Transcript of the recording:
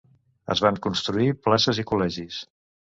Es van construir places i col·legis.